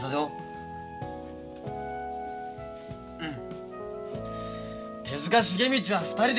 うん。